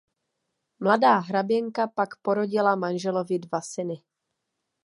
Mladá hraběnka pak porodila manželovi dva syny.